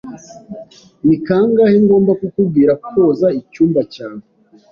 Ni kangahe ngomba kukubwira koza icyumba cyawe?